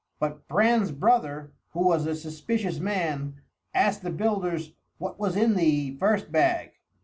But Bran's brother, who was a suspicious man, asked the builders what was in the first bag.